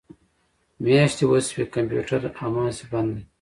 میاشتې وشوې کمپیوټر هماسې بند دی